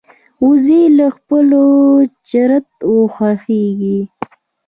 وزې له خپلو چرته خوښيږي